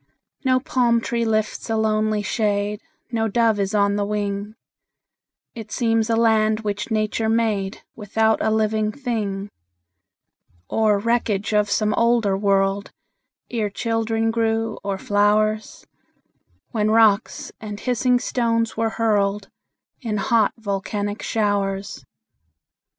No palm tree lifts a lonely shade, No dove is on the wing; It seems a land which Nature made Without a living thing, Or wreckage of some older world, Ere children grew, or flowers, When rocks and hissing stones were hurled In hot, volcanic showers.